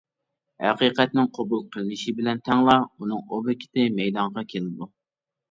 ھەقىقەتنىڭ قوبۇل قىلىنىشى بىلەن تەڭلا، ئۇنىڭ ئوبيېكتى مەيدانغا كېلىدۇ.